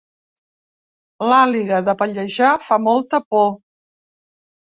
L'àliga de Pallejà fa molta por